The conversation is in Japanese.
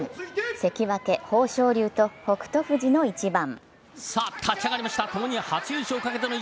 関脇・豊昇龍と北勝富士の一番。